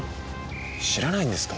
知らないんですか？